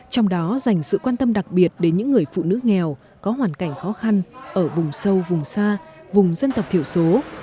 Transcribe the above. trong đó dành sự quan tâm đặc biệt đến những người phụ nữ nghèo có hoàn cảnh khó khăn ở vùng sâu vùng xa vùng dân tộc thiểu số